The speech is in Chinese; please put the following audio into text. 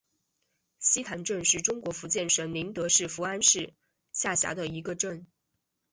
溪潭镇是中国福建省宁德市福安市下辖的一个镇。